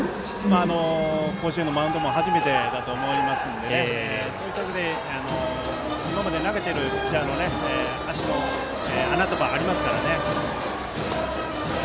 甲子園のマウンドも初めてだと思いますので今まで投げているピッチャーの足の穴とかありますからね。